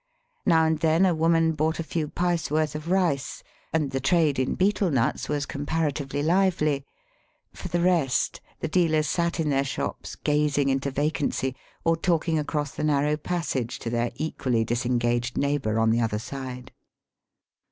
Now and then a woman bought a few pice worth of rice, and the trade in betel nuts was comparatively lively. Por the rest the dealers sat in their shops gazing into vacancy or talking across the narrow passage to their equally disengaged neighbour on the other side.